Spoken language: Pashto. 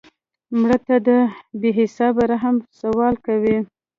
مړه ته د بې حسابه رحم سوال کوو